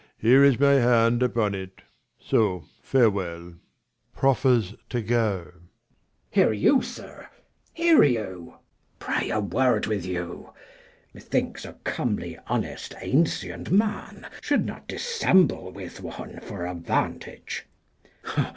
Here is my hand upon it, so farewell. \_Proffers to go. Mess. Hear you, sir, hear you ? pray, a word with you. 96 Methinks, a comely honest ancient man Should not dissemble with one for a vantage.